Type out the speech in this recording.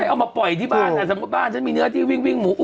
เอามาปล่อยที่บ้านสมมุติบ้านฉันมีเนื้อที่วิ่งวิ่งหมู